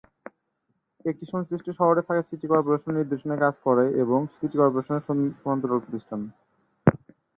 এটি সংশ্লিষ্ট শহরে থাকা সিটি কর্পোরেশনের নির্দেশনায় কাজ করে এবং সিটি কর্পোরেশনের সমান্তরাল প্রতিষ্ঠান।